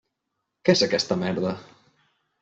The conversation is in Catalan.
Què és aquesta merda?